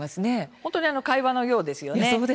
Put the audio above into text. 本当に対話のようですよね。